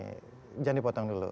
jangan dipotong dulu